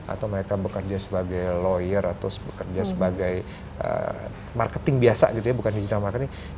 atau mereka bekerja sebagai lawyer atau bekerja sebagai marketing biasa gitu ya bukan digital marketing